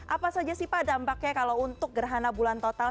apa saja sih pak dampaknya kalau untuk gerhana bulan total